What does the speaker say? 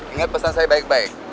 ingat pesan saya baik baik